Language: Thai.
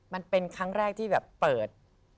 มันเป็นครั้งแรกที่แบบเปิด